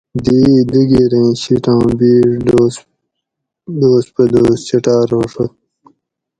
دی یۡ دوگیریں شیٹاں بیڛ دوس پہ دوس چٹار ھوڛت